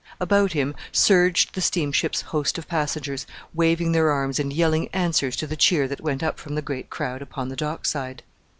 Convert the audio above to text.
About him surged the steamship's host of passengers, waving their arms, and yelling answers to the cheer that went up from the great crowd upon the dock side.